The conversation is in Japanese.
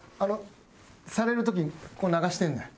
される時こう流してんねん。